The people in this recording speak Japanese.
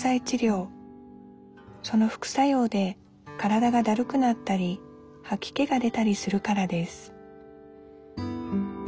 その副作用で体がだるくなったりはき気が出たりするからです